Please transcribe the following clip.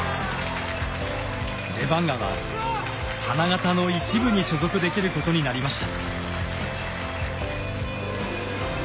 レバンガは花形の１部に所属できることになりました。